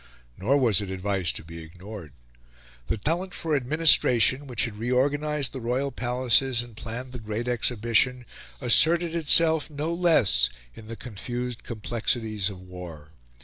Nor was it advice to be ignored. The talent for administration which had reorganised the royal palaces and planned the Great Exhibition asserted itself no less in the confused complexities of war.